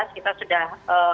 dua ribu sembilan belas kita sudah